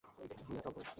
নিয়া চল ওরে।